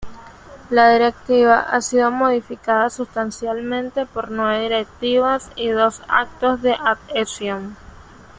La Directiva ha sido modificada sustancialmente por nueve directivas y dos actos de adhesión.